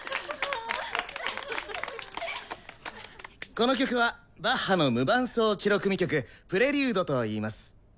この曲はバッハの無伴奏チェロ組曲「プレリュード」と言います。